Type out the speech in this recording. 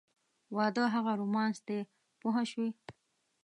واده هغه رومانس دی پوه شوې!.